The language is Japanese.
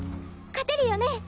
勝てるよね？